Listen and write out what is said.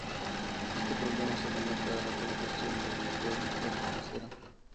Este problema se remonta a la colocación del motor en la parte trasera.